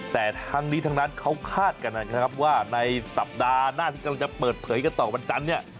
แต่ทั้งนี้ทั้งนั้นเขาคาดกันนะครับว่าในสัปดาห์หน้าที่กำลังจะเปิดเผยกันต่อวันจันทร์เนี่ย